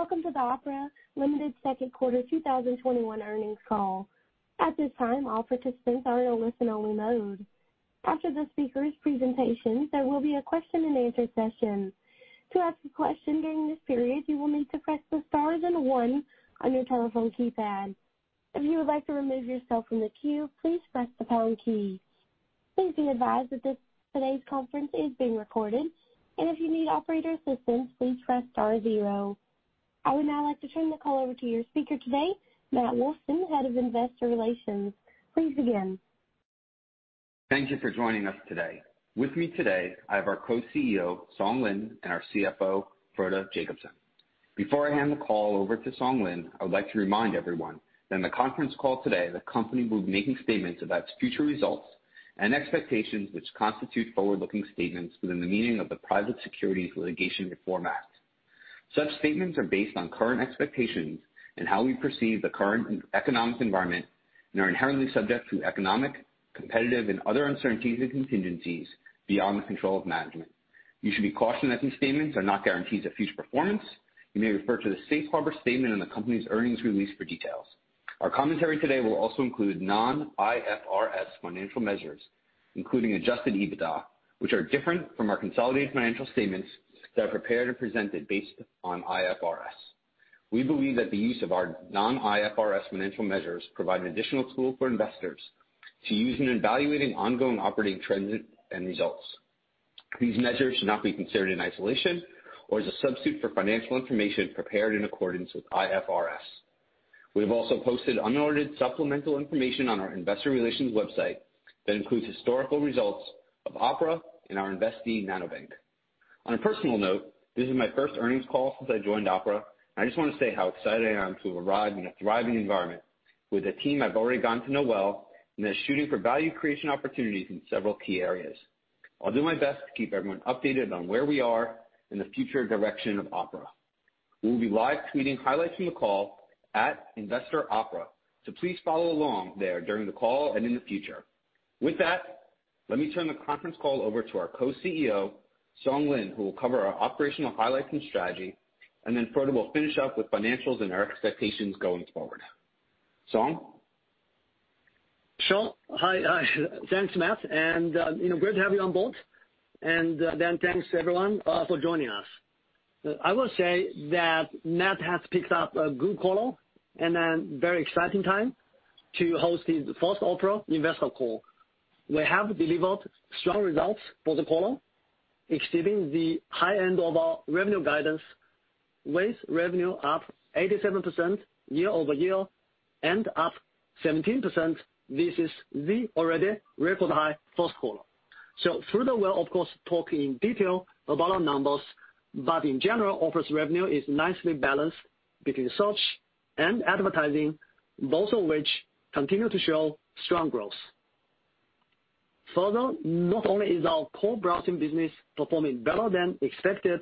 Welcome to the Opera Limited Second Quarter 2021 Earnings Call. I would now like to turn the call over to your speaker today, Matt Wolfson, Head of Investor Relations. Please begin. Thank you for joining us today. With me today, I have our co-CEO, Song Lin, and our CFO, Frode Jacobsen. Before I hand the call over to Song Lin, I would like to remind everyone that in the conference call today, the company will be making statements about future results and expectations which constitute forward-looking statements within the meaning of the Private Securities Litigation Reform Act. Such statements are based on current expectations and how we perceive the current economic environment and are inherently subject to economic, competitive, and other uncertainties and contingencies beyond the control of management. You should be cautioned that these statements are not guarantees of future performance. You may refer to the safe harbor statement in the company's earnings release for details. Our commentary today will also include non-IFRS financial measures, including adjusted EBITDA, which are different from our consolidated financial statements that are prepared and presented based on IFRS. We believe that the use of our non-IFRS financial measures provide an additional tool for investors to use in evaluating ongoing operating trends and results. These measures should not be considered in isolation or as a substitute for financial information prepared in accordance with IFRS. We have also posted unaudited supplemental information on our investor relations website that includes historical results of Opera and our investee, Nanobank. On a personal note, this is my first earnings call since I joined Opera. I just want to say how excited I am to have arrived in a thriving environment with a team I've already gotten to know well, and that's shooting for value creation opportunities in several key areas. I'll do my best to keep everyone updated on where we are and the future direction of Opera. We will be live tweeting highlights from the call at @InvestorOpera, so please follow along there during the call and in the future. With that, let me turn the conference call over to our Co-CEO, Song Lin, who will cover our operational highlights and strategy, and then Frode will finish up with financials and our expectations going forward. Song? Sure. Hi. Thanks, Matt. Great to have you on board. Thanks to everyone for joining us. I will say that Matt has picked up a good quarter and a very exciting time to host his first Opera investor call. We have delivered strong results for the quarter, exceeding the high end of our revenue guidance, with revenue up 87% year-over-year and up 17% versus the already record high first quarter. Frode will, of course, talk in detail about our numbers. In general, Opera's revenue is nicely balanced between search and advertising, both of which continue to show strong growth. Frode, not only is our core browsing business performing better than expected,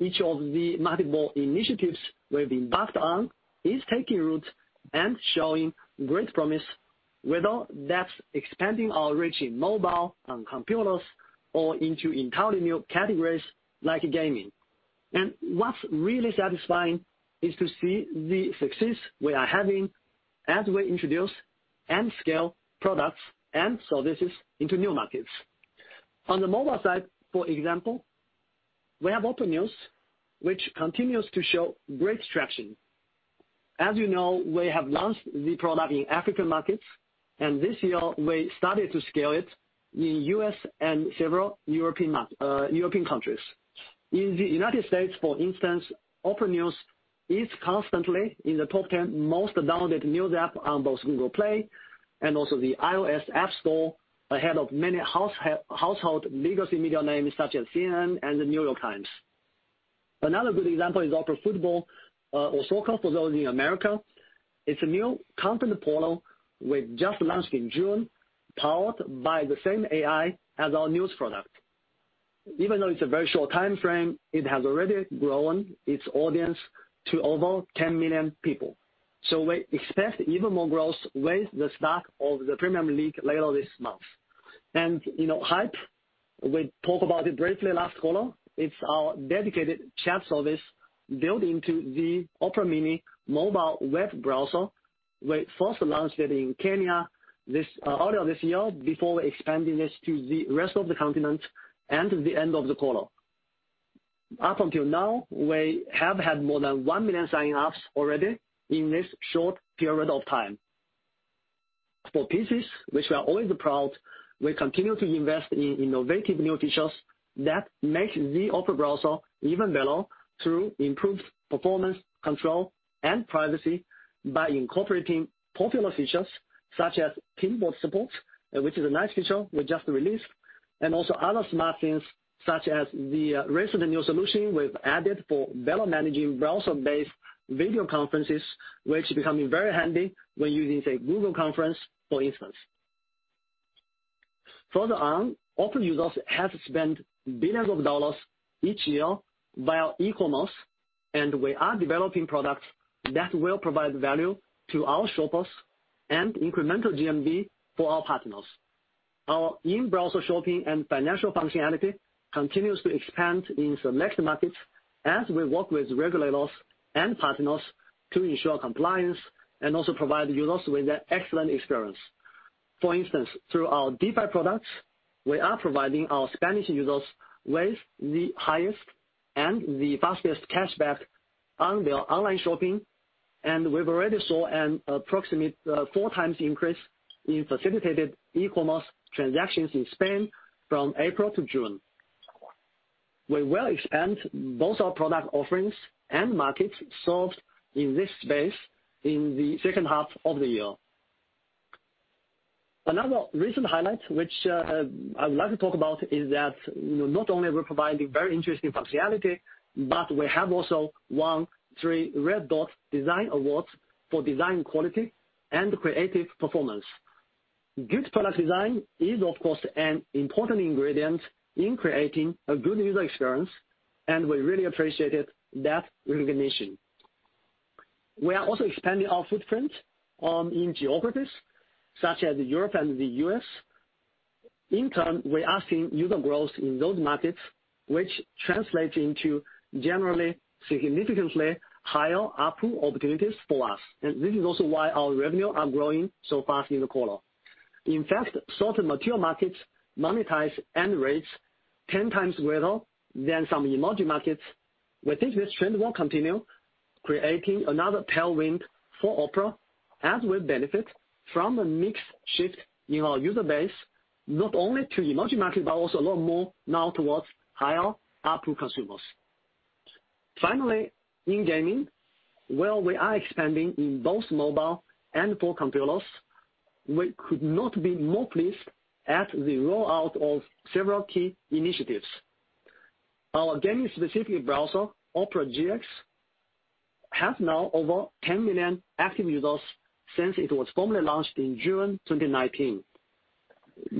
each of the multiple initiatives we've embarked on is taking root and showing great promise, whether that's expanding our reach in mobile, on computers, or into entirely new categories like gaming. What's really satisfying is to see the success we are having as we introduce and scale products and services into new markets. On the mobile side, for example, we have Opera News, which continues to show great traction. As you know, we have launched the product in African markets, and this year we started to scale it in U.S. and several European countries. In the United States, for instance, Opera News is constantly in the top 10 most downloaded news app on both Google Play and also the iOS App Store, ahead of many household legacy media names such as CNN and The New York Times. Another good example is Opera Football, or Soccer for those in America. It's a new content portal we just launched in June, powered by the same AI as our news product. Even though it's a very short timeframe, it has already grown its audience to over 10 million people. We expect even more growth with the start of the Premier League later this month. Hype, we talked about it briefly last quarter, it's our dedicated chat service built into the Opera Mini mobile web browser. We first launched it in Kenya earlier this year before expanding it to the rest of the continent and the end of the quarter. Up until now, we have had more than 1 million sign-ups already in this short period of time. For PCs, which we are always proud, we continue to invest in innovative new features that make the Opera browser even better through improved performance, control, and privacy by incorporating popular features such as pinboard support, which is a nice feature we just released, and also other smart things, such as the recent new solution we've added for better managing browser-based video conferences, which is becoming very handy when using, say, Google conference, for instance. Further on, Opera users have spent billions of dollars each year via e-commerce, and we are developing products that will provide value to our shoppers and incremental GMV for our partners. Our in-browser shopping and financial functionality continues to expand in select markets as we work with regulators and partners to ensure compliance and also provide users with an excellent experience. For instance, through our Dify products, we are providing our Spanish users with the highest and the fastest cashback on their online shopping, and we've already saw an approximate four times increase in facilitated e-commerce transactions in Spain from April-June. We will expand both our product offerings and markets served in this space in the second half of the year. Another recent highlight, which I would like to talk about, is that not only are we providing very interesting functionality, but we have also won three Red Dot Design Awards for design quality and creative performance. Good product design is, of course, an important ingredient in creating a good user experience, and we really appreciated that recognition. We are also expanding our footprint in geographies such as Europe and the U.S. In turn, we are seeing user growth in those markets, which translates into generally significantly higher ARPU opportunities for us. This is also why our revenue are growing so fast in the quarter. In fact, certain mature markets monetize at rates 10x greater than some emerging markets. We think this trend will continue, creating another tailwind for Opera as we benefit from a mix shift in our user base, not only to emerging markets, but also a lot more now towards higher ARPU consumers. Finally, in gaming, while we are expanding in both mobile and for computers, we could not be more pleased at the rollout of several key initiatives. Our gaming-specific browser, Opera GX, has now over 10 million active users since it was formally launched in June 2019.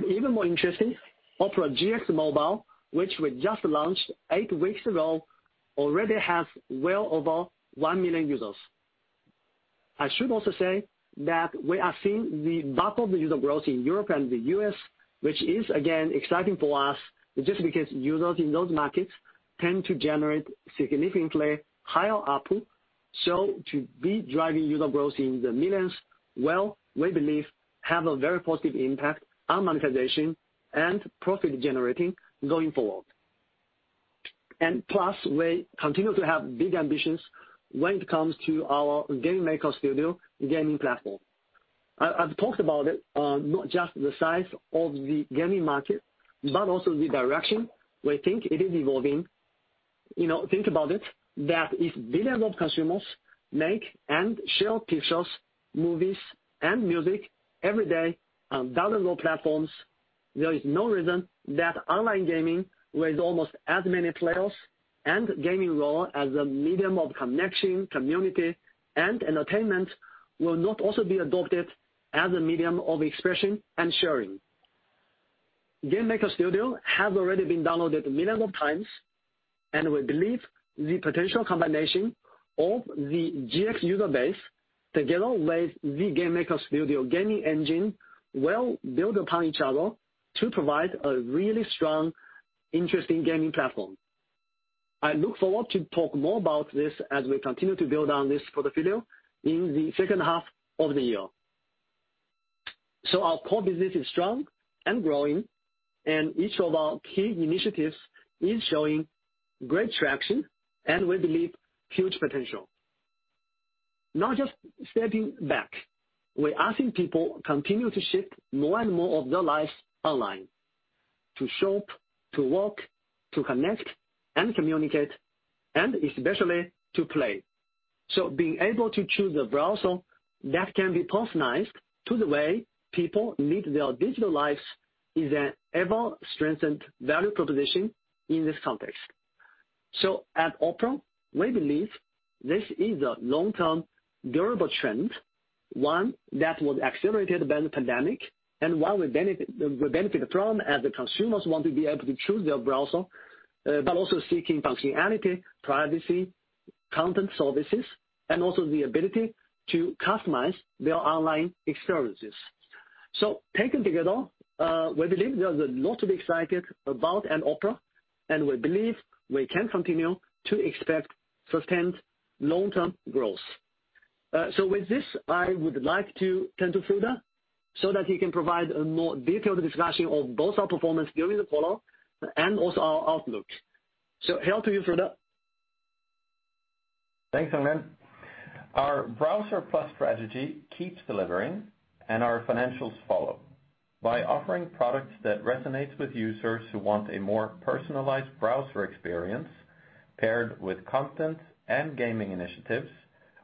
Even more interesting, Opera GX Mobile, which we just launched eight weeks ago, already has well over 1 million users. I should also say that we are seeing the bulk of the user growth in Europe and the U.S., which is, again, exciting for us just because users in those markets tend to generate significantly higher ARPU. To be driving user growth in the millions, well, we believe have a very positive impact on monetization and profit generating going forward. We continue to have big ambitions when it comes to our GameMaker Studio gaming platform. I've talked about it, not just the size of the gaming market, but also the direction we think it is evolving. Think about it, that if billions of consumers make and share pictures, movies, and music every day on dozens of platforms, there is no reason that online gaming, with almost as many players and gaming role as a medium of connection, community, and entertainment, will not also be adopted as a medium of expression and sharing. GameMaker Studio have already been downloaded millions of times, we believe the potential combination of the GX user base together with the GameMaker Studio gaming engine will build upon each other to provide a really strong, interesting gaming platform. I look forward to talk more about this as we continue to build on this portfolio in the second half of the year. Our core business is strong and growing, each of our key initiatives is showing great traction and we believe huge potential. Not just stepping back, we're asking people continue to shift more and more of their lives online, to shop, to work, to connect and communicate, and especially to play. Being able to choose a browser that can be personalized to the way people live their digital lives is an ever-strengthened value proposition in this context. At Opera, we believe this is a long-term durable trend, one that was accelerated by the pandemic, and one we benefit from as the consumers want to be able to choose their browser, but also seeking functionality, privacy, content services, and also the ability to customize their online experiences. Taken together, we believe there's a lot to be excited about in Opera, and we believe we can continue to expect sustained long-term growth. With this, I would like to turn to Frode so that he can provide a more detailed discussion of both our performance during the quarter and also our outlook. Here to you, Frode. Thanks, Song Lin. Our Browser+ strategy keeps delivering, and our financials follow. By offering products that resonates with users who want a more personalized browser experience paired with content and gaming initiatives,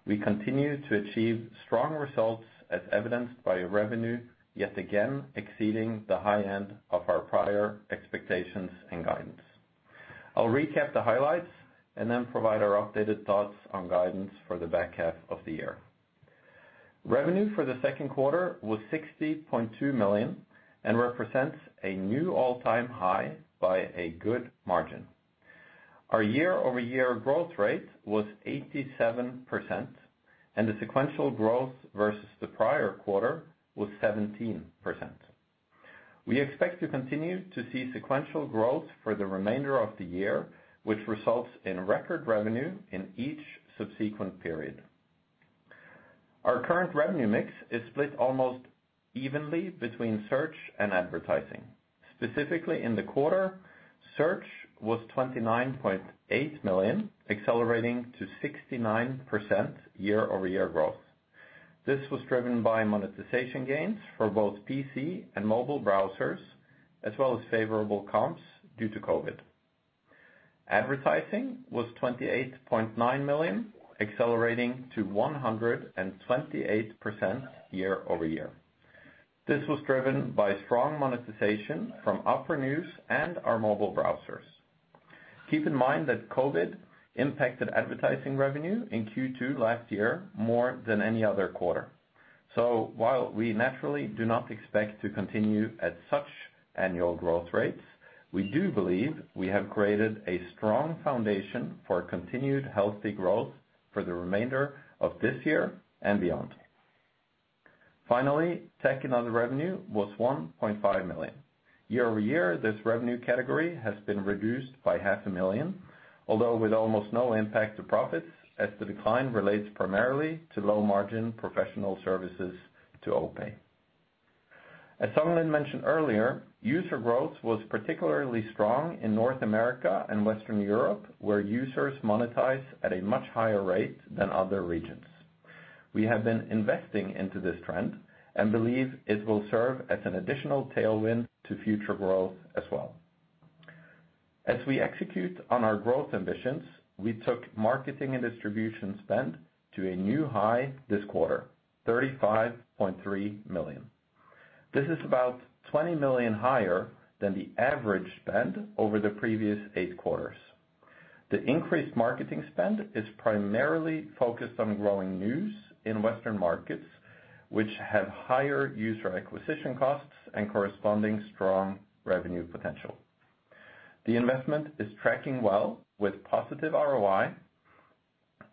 we continue to achieve strong results as evidenced by revenue, yet again, exceeding the high end of our prior expectations and guidance. I'll recap the highlights and then provide our updated thoughts on guidance for the back half of the year. Revenue for the second quarter was $60.2 million, and represents a new all-time high by a good margin. Our year-over-year growth rate was 87%, and the sequential growth versus the prior quarter was 17%. We expect to continue to see sequential growth for the remainder of the year, which results in record revenue in each subsequent period. Our current revenue mix is split almost evenly between search and advertising. Specifically in the quarter, search was $29.8 million, accelerating to 69% year-over-year growth. This was driven by monetization gains for both PC and mobile browsers, as well as favorable comps due to COVID. Advertising was $28.9 million, accelerating to 128% year-over-year. This was driven by strong monetization from Opera News and our mobile browsers. Keep in mind that COVID impacted advertising revenue in Q2 last year more than any other quarter. While we naturally do not expect to continue at such annual growth rates, we do believe we have created a strong foundation for continued healthy growth for the remainder of this year and beyond. Finally, tech and other revenue was $1.5 million. Year-over-year, this revenue category has been reduced by half a million, although with almost no impact to profits, as the decline relates primarily to low-margin professional services to OPay. As Song Lin mentioned earlier, user growth was particularly strong in North America and Western Europe, where users monetize at a much higher rate than other regions. We have been investing into this trend and believe it will serve as an additional tailwind to future growth as well. As we execute on our growth ambitions, we took marketing and distribution spend to a new high this quarter, $35.3 million. This is about $20 million higher than the average spend over the previous eight quarters. The increased marketing spend is primarily focused on growing Opera News in Western markets, which have higher user acquisition costs and corresponding strong revenue potential. The investment is tracking well with positive ROI,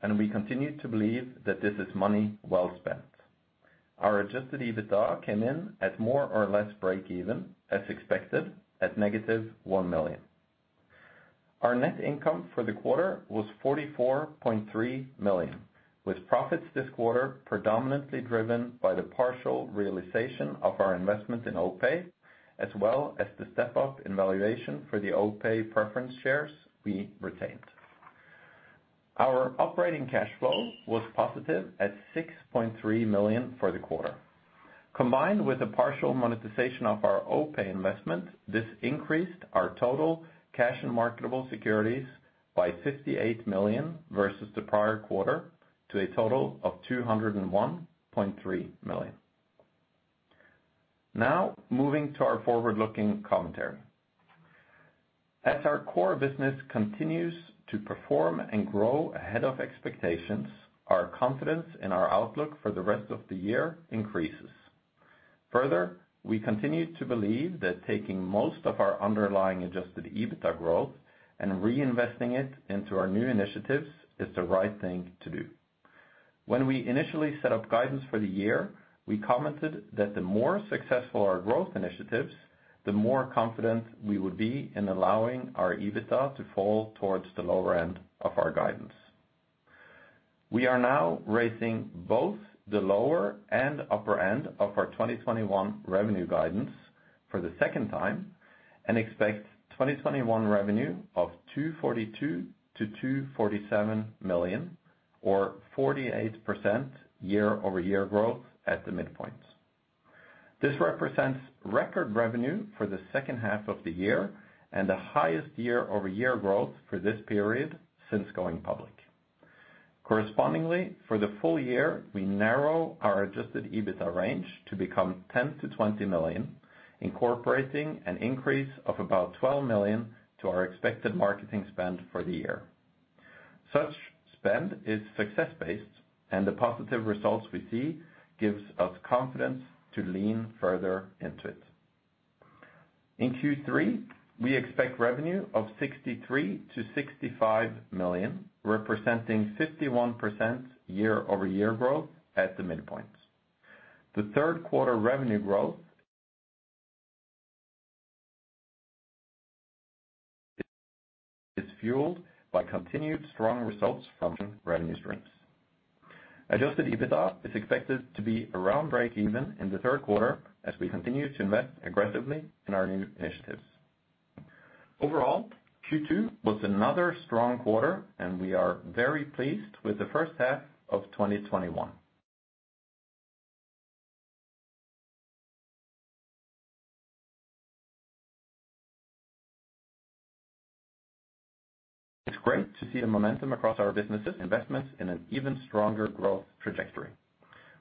and we continue to believe that this is money well spent. Our adjusted EBITDA came in at more or less break even, as expected, at -$1 million. Our net income for the quarter was $44.3 million, with profits this quarter predominantly driven by the partial realization of our investment in OPay, as well as the step-up in valuation for the OPay preference shares we retained. Our operating cash flow was positive at $6.3 million for the quarter. Combined with the partial monetization of our OPay investment, this increased our total cash and marketable securities by $58 million versus the prior quarter, to a total of $201.3 million. Now, moving to our forward-looking commentary. As our core business continues to perform and grow ahead of expectations, our confidence in our outlook for the rest of the year increases. Further, we continue to believe that taking most of our underlying adjusted EBITDA growth and reinvesting it into our new initiatives is the right thing to do. When we initially set up guidance for the year, we commented that the more successful our growth initiatives, the more confident we would be in allowing our adjusted EBITDA to fall towards the lower end of our guidance. We are now raising both the lower and upper end of our 2021 revenue guidance for the second time, and expect 2021 revenue of $242 million-$247 million or 48% year-over-year growth at the midpoint. This represents record revenue for the second half of the year and the highest year-over-year growth for this period since going public. Correspondingly, for the full year, we narrow our adjusted EBITDA range to become $10 million-$20 million, incorporating an increase of about $12 million to our expected marketing spend for the year. Such spend is success-based, and the positive results we see gives us confidence to lean further into it. In Q3, we expect revenue of $63 million-$65 million, representing 51% year-over-year growth at the midpoint. The third quarter revenue growth is fueled by continued strong results from revenue streams. Adjusted EBITDA is expected to be around break even in the third quarter as we continue to invest aggressively in our new initiatives. Overall, Q2 was another strong quarter, and we are very pleased with the first half of 2021. It's great to see a momentum across our businesses investments in an even stronger growth trajectory.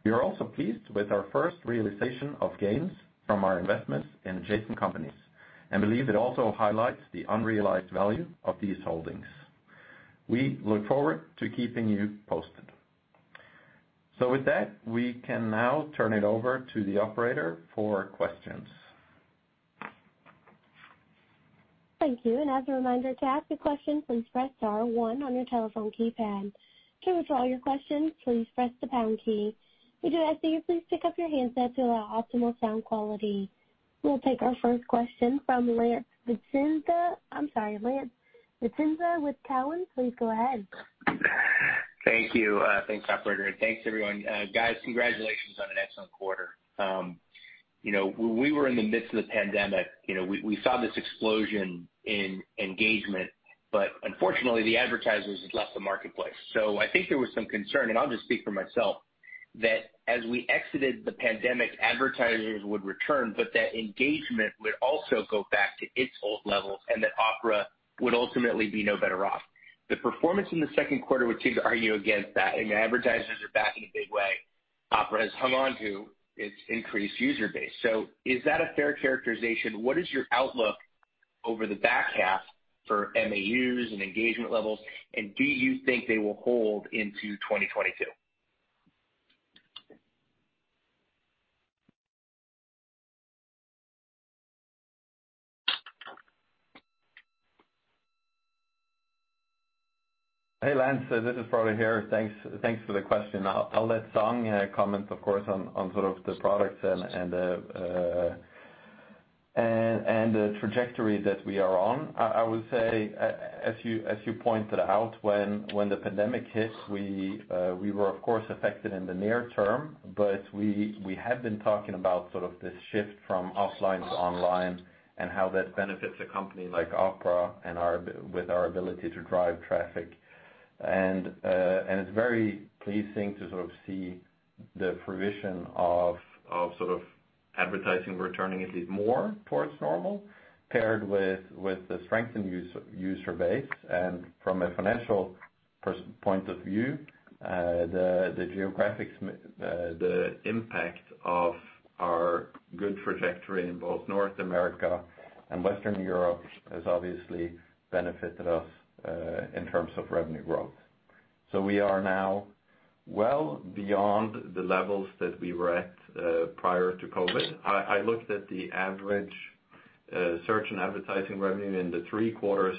We are also pleased with our first realization of gains from our investments in adjacent companies, and believe it also highlights the unrealized value of these holdings. We look forward to keeping you posted. With that, we can now turn it over to the operator for questions. We'll take our first question from Lance Vitanza. I'm sorry, Lance Vitanza with Cowen. Please go ahead. Thank you. Thanks, operator, and thanks, everyone. Guys, congratulations on an excellent quarter. When we were in the midst of the pandemic, we saw this explosion in engagement, but unfortunately, the advertisers had left the marketplace. I think there was some concern, and I'll just speak for myself, that as we exited the pandemic, advertisers would return, but that engagement would also go back to its old levels, and that Opera would ultimately be no better off. The performance in the second quarter would seem to argue against that, and advertisers are back in a big way. Opera has hung on to its increased user base. Is that a fair characterization? What is your outlook over the back half for MAUs and engagement levels, and do you think they will hold into 2022? Hey, Lance, this is Frode here. Thanks for the question. I'll let Song comment, of course, on sort of the products and the trajectory that we are on. I would say, as you pointed out, when the pandemic hit, we were of course affected in the near term, but we had been talking about sort of this shift from offline to online and how that benefits a company like Opera with our ability to drive traffic. It's very pleasing to sort of see the fruition of sort of advertising returning at least more towards normal, paired with the strengthened user base. From a financial point of view, the geographic impact of our good trajectory in both North America and Western Europe has obviously benefited us in terms of revenue growth. We are now well beyond the levels that we were at prior to COVID. I looked at the average search and advertising revenue in the three quarters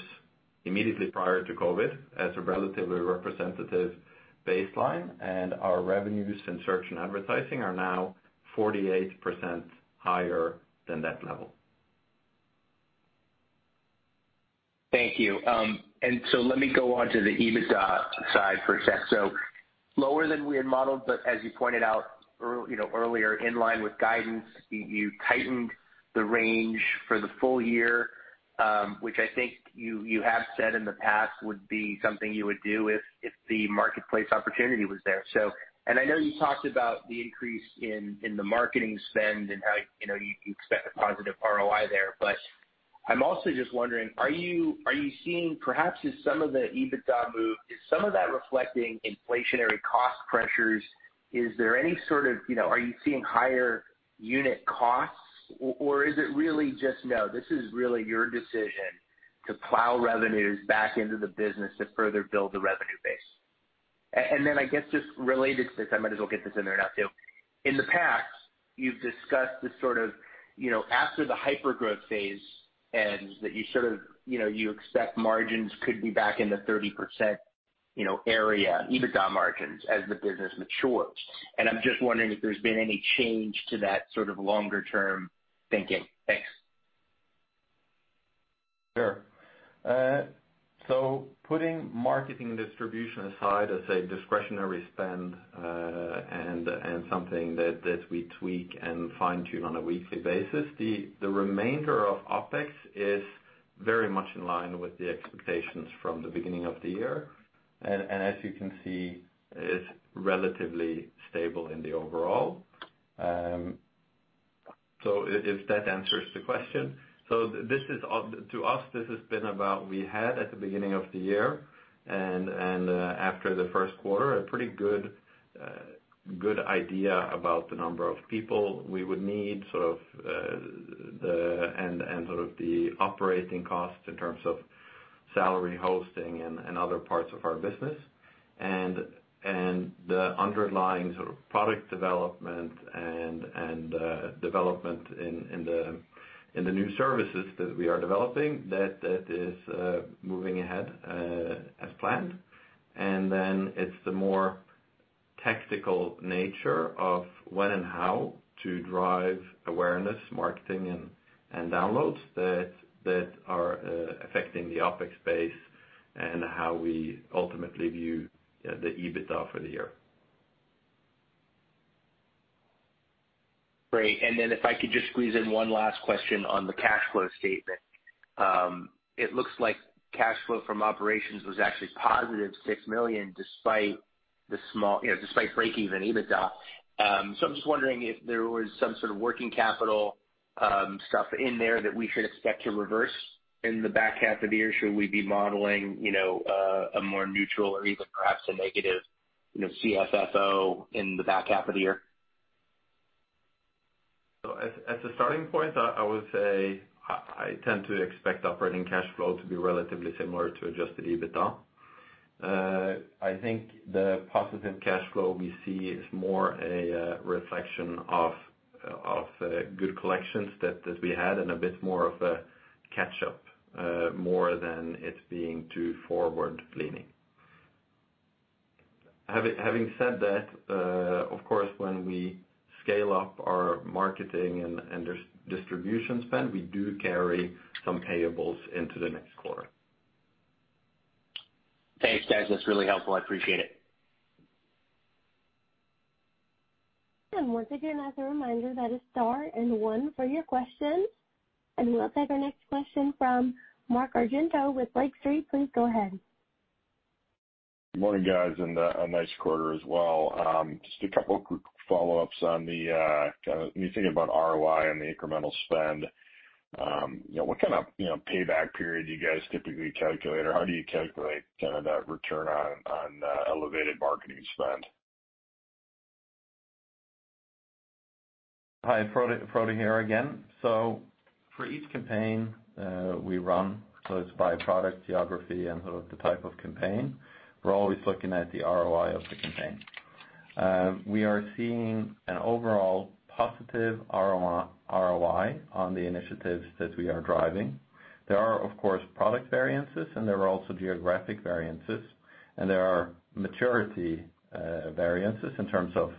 immediately prior to COVID as a relatively representative baseline, and our revenues in search and advertising are now 48% higher than that level. Thank you. Let me go on to the EBITDA side for a sec. Lower than we had modeled, but as you pointed out earlier, in line with guidance, you tightened the range for the full year, which I think you have said in the past would be something you would do if the marketplace opportunity was there. I know you talked about the increase in the marketing spend and how you expect a positive ROI there, but I'm also just wondering, perhaps as some of the EBITDA moved, is some of that reflecting inflationary cost pressures? Are you seeing higher unit costs, or is it really just, no, this is really your decision to plow revenues back into the business to further build the revenue base? I guess, just related to this, I might as well get this in there now, too. In the past, you've discussed this sort of after the hypergrowth phase ends, that you expect margins could be back in the 30% area, EBITDA margins, as the business matures. I'm just wondering if there's been any change to that sort of longer-term thinking. Thanks. Sure. Putting marketing distribution aside as a discretionary spend and something that we tweak and fine-tune on a weekly basis, the remainder of OpEx is very much in line with the expectations from the beginning of the year. As you can see, it's relatively stable in the overall. If that answers the question. To us, this has been about we had at the beginning of the year, and after the first quarter, a pretty good idea about the number of people we would need and sort of the operating costs in terms of salary, hosting, and other parts of our business, and the underlying sort of product development and development in the new services that we are developing, that is moving ahead as planned. Then it's the more tactical nature of when and how to drive awareness, marketing, and downloads that are affecting the OpEx base and how we ultimately view the EBITDA for the year. Great. If I could just squeeze in one last question on the cash flow statement. It looks like cash flow from operations was actually positive $6 million despite breakeven EBITDA. I'm just wondering if there was some sort of working capital stuff in there that we should expect to reverse in the back half of the year. Should we be modeling a more neutral or even perhaps a negative CFFO in the back half of the year? As a starting point, I would say I tend to expect operating cash flow to be relatively similar to adjusted EBITDA. I think the positive cash flow we see is more a reflection of good collections that we had and a bit more of a catch-up, more than it being too forward leaning. Having said that, of course, when we scale up our marketing and distribution spend, we do carry some payables into the next quarter. Thanks, guys. That's really helpful. I appreciate it. Once again, as a reminder, that is star and one for your questions. We'll take our next question from Mark Argento with Lake Street. Please go ahead. Good morning, guys. A nice quarter as well. Just a couple of quick follow-ups on the, when you think about ROI and the incremental spend, what kind of payback period do you guys typically calculate? How do you calculate that return on elevated marketing spend? Hi, Frode here again. For each campaign we run, so it's by product geography and sort of the type of campaign, we're always looking at the ROI of the campaign. We are seeing an overall positive ROI on the initiatives that we are driving. There are, of course, product variances, and there are also geographic variances, and there are maturity variances in terms of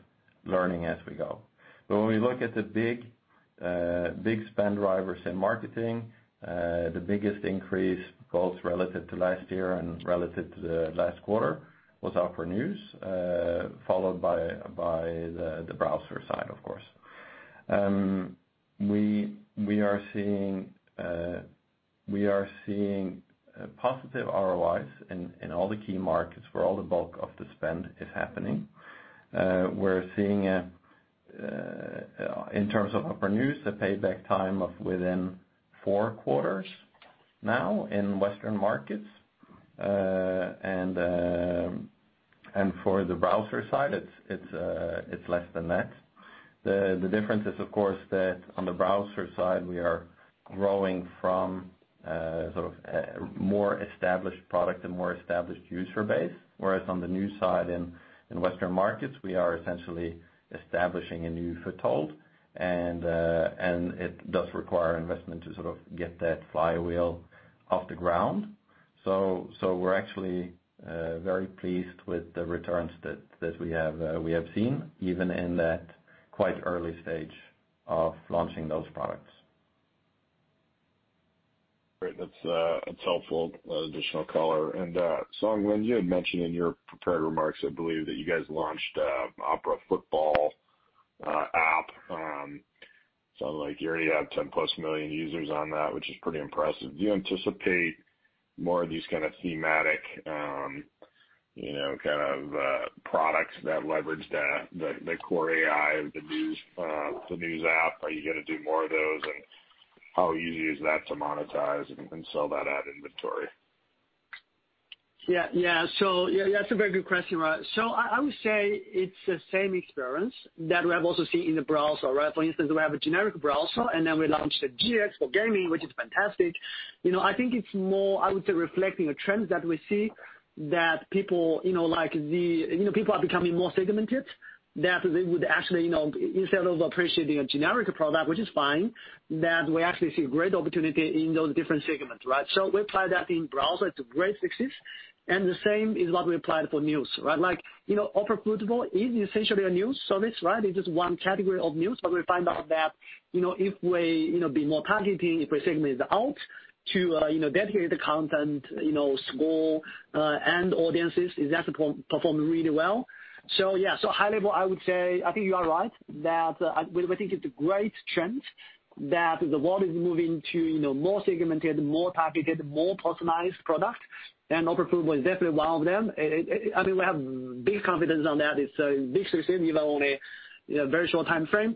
learning as we go. When we look at the big spend drivers in marketing, the biggest increase both relative to last year and relative to the last quarter was Opera News, followed by the browser side, of course. We are seeing positive ROIs in all the key markets where all the bulk of the spend is happening. We're seeing, in terms of Opera News, a payback time of within four quarters now in Western markets. For the browser side, it's less than that. The difference is, of course, that on the browser side, we are growing from a more established product and more established user base. Whereas on the news side in Western markets, we are essentially establishing a new foothold, and it does require investment to sort of get that flywheel off the ground. We're actually very pleased with the returns that we have seen, even in that quite early stage of launching those products. Great. That's helpful additional color. Song, when you had mentioned in your prepared remarks, I believe that you guys launched a Opera Football app. Sound like you already have 10+ million users on that, which is pretty impressive. Do you anticipate more of these kind of thematic products that leverage the core AI of the news app? Are you going to do more of those? How easy is that to monetize and sell that ad inventory? Yeah. That's a very good question. I would say it's the same experience that we have also seen in the browser. For instance, we have a generic browser, and then we launched the GX for gaming, which is fantastic. I think it's more, I would say, reflecting a trend that we see that people are becoming more segmented, that they would actually, instead of appreciating a generic product, which is fine, that we actually see great opportunity in those different segments, right? We apply that in browser. It's a great success. The same is what we applied for news. Like Opera Football is essentially a news service, right? It's just one category of news. We find out that if we be more targeted, if we segment it out to dedicated content, score, and audiences, it does perform really well. Yeah. High level, I would say, I think you are right, that we think it's a great trend that the world is moving to more segmented, more targeted, more personalized product, and Opera Football is definitely one of them. I think we have big confidence on that. It's big success, even only in a very short timeframe.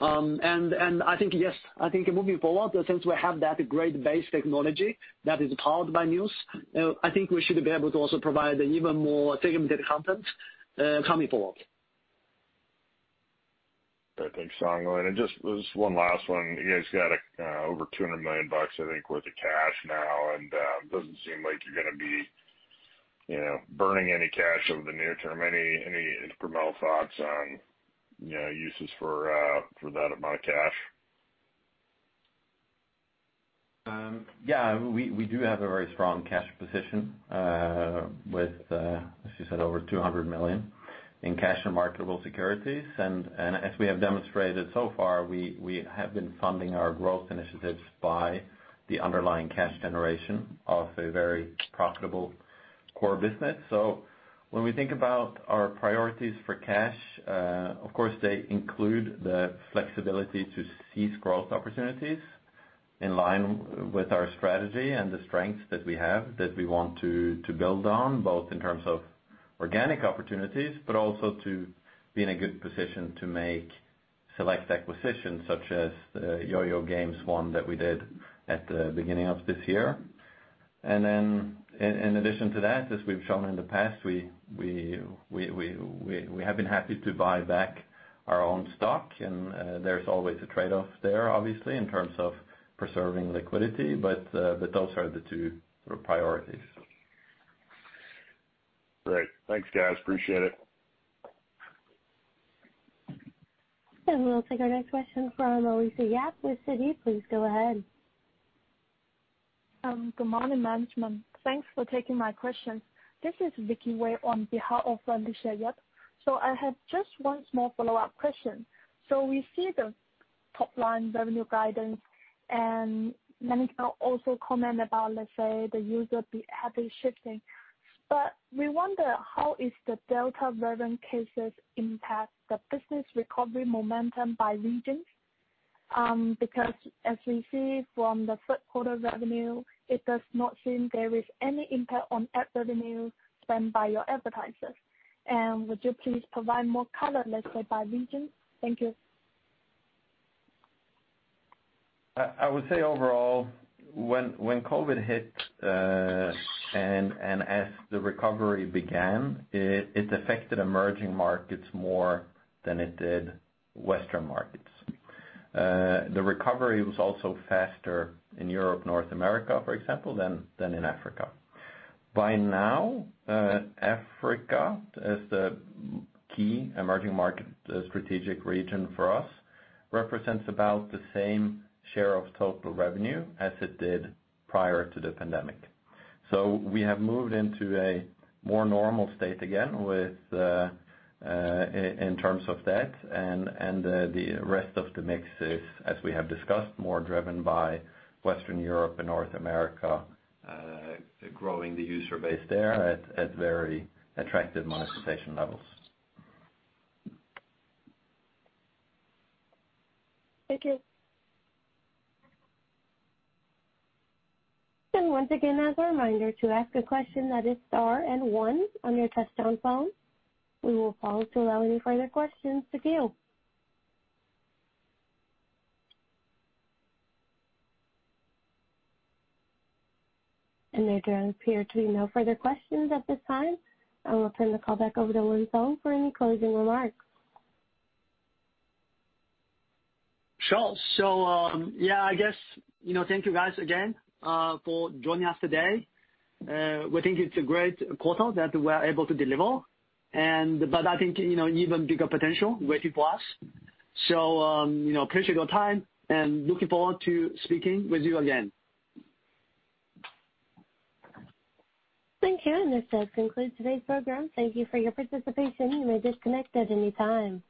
I think, yes, I think moving forward, since we have that great base technology that is powered by news, I think we should be able to also provide even more segmented content coming forward. Okay. Thanks, Song. Just one last one. You guys got over $200 million, I think, worth of cash now, and it doesn't seem like you're going to be burning any cash over the near term. Any incremental thoughts on uses for that amount of cash? We do have a very strong cash position with, as you said, over $200 million in cash and marketable securities. As we have demonstrated so far, we have been funding our growth initiatives by the underlying cash generation of a very profitable core business. When we think about our priorities for cash, of course, they include the flexibility to seize growth opportunities in line with our strategy and the strengths that we have that we want to build on, both in terms of organic opportunities, but also to be in a good position to make select acquisitions such as the YoYo Games one that we did at the beginning of this year. In addition to that, as we've shown in the past, we have been happy to buy back our own stock, and there's always a trade-off there, obviously, in terms of preserving liquidity, but those are the two sort of priorities. Great. Thanks, guys. Appreciate it. We'll take our next question from Alicia Yap with Citi. Please go ahead. Good morning, management. Thanks for taking my questions. This is Vicky Wei on behalf of Alicia Yap. I have just one small follow-up question. We see the top-line revenue guidance, and management also comment about, let's say, the user habit shifting. We wonder how is the Delta variant cases impact the business recovery momentum by regions? As we see from the third quarter revenue, it does not seem there is any impact on ad revenue spent by your advertisers. Would you please provide more color, let's say, by region? Thank you. I would say overall, when COVID hit, and as the recovery began, it affected emerging markets more than it did Western markets. The recovery was also faster in Europe, North America, for example, than in Africa. By now, Africa, as the key emerging market strategic region for us, represents about the same share of total revenue as it did prior to the pandemic. We have moved into a more normal state again in terms of that, and the rest of the mix is, as we have discussed, more driven by Western Europe and North America growing the user base there at very attractive monetization levels. Thank you. Once again, as a reminder, to ask a question, that is star and one on your touch-tone phone. We will pause to allow any further questions to queue. There appear to be no further questions at this time. I will turn the call back over to Song Lin for any closing remarks. Sure. Yeah, I guess, thank you guys again for joining us today. We think it's a great quarter that we're able to deliver, but I think even bigger potential waiting for us. Appreciate your time, and looking forward to speaking with you again. Thank you. This does conclude today's program. Thank you for your participation. You may disconnect at any time.